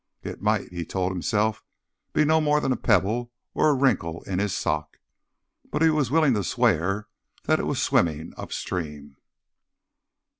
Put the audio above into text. It might, he told himself, be no more than a pebble or a wrinkle in his sock. But he was willing to swear that it was swimming upstream.